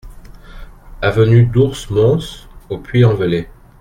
Avenue d'Ours Mons au Puy-en-Velay